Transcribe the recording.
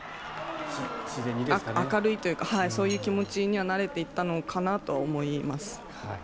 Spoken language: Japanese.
明るいというかそういう気持ちにはなれていったのかなとは思います。